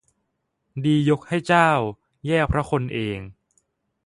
ดียกให้เจ้า แย่เพราะคนเอง